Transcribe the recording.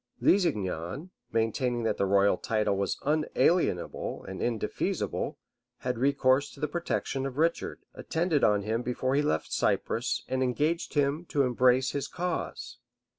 Lusignan, maintaining that the royal title was unalienable and indefeasible, had recourse to the protection of Richard, attended on him before he left Cyprus, and engaged him to embrace his cause.